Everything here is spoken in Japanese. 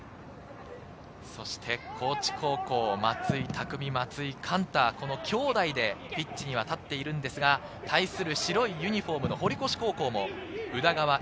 高知高校、松井匠、松井貫太、兄弟でピッチには立っているんですが、対する白いユニホームの堀越高校も宇田川瑛